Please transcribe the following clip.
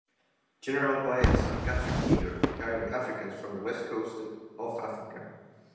"General Paez" had captured "Theodore", carrying Africans from the West coast of Africa.